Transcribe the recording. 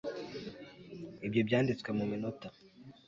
Ibyo byanditswe muminota